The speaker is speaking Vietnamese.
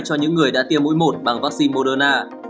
cho những người đã tiêm mũi một bằng vaccine moderna